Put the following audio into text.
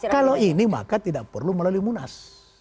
kalau ini maka tidak perlu melalui munas